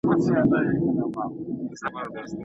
ایا تکړه پلورونکي شین ممیز صادروي؟